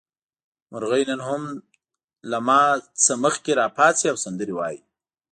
مرغۍ نن هم له ما نه مخکې راپاڅي او سندرې وايي.